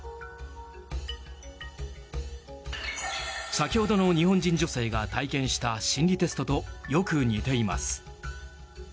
先ほどの日本人女性が体験した心理テストとよく似ています。